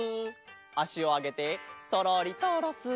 あしをあげてそろりとおろす。